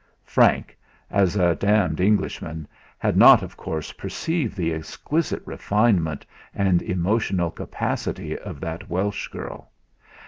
Frank, as a d d Englishman, had not of course perceived the exquisite refinement and emotional capacity of that Welsh girl!